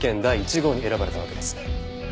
第一号に選ばれたわけです。